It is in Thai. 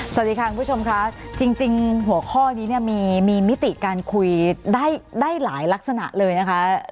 สวัสดีค่ะคุณผู้ชมค่ะจริงหัวข้อนี้เนี่ยมีมิติการคุยได้หลายลักษณะเลยนะคะ